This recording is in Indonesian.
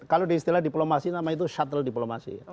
kalau diistilah diplomasi namanya itu shuttle diplomasi